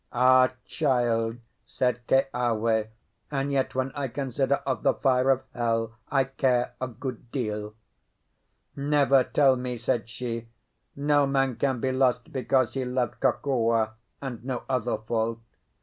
"Ah, child!" said Keawe, "and yet, when I consider of the fire of hell, I care a good deal!" "Never tell me," said she; "no man can be lost because he loved Kokua, and no other fault.